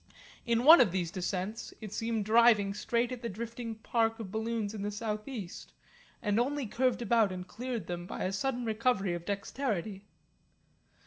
In one of these descents it seemed driving straight at the drifting park of balloons in the southeast, and only curved about and cleared them by a sudden recovery of dexterity.